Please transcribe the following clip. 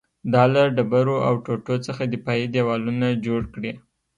دا له ډبرو او ټوټو څخه دفاعي دېوالونه جوړ کړي